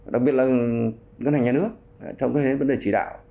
đặc biệt là ngân hàng nhà nước trong cái vấn đề chỉ đạo